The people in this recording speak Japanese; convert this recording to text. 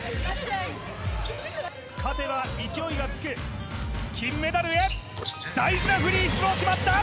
勝てば勢いがつく、金メダルへ、大事なフリースロー、決まった。